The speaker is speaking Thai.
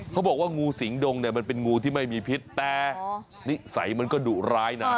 เขาบอกว่างูสิงดงเนี่ยมันเป็นงูที่ไม่มีพิษแต่นิสัยมันก็ดุร้ายนะ